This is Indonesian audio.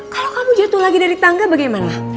kalau kamu jatuh lagi dari tangga bagaimana